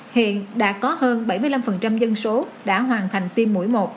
hiện đã có hơn bảy mươi năm dân số đã hoàn thành tiêm mũi một